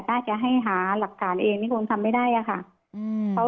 ถ้าจะให้หาหลักฐานเองนี่คงทำไม่ได้อะค่ะ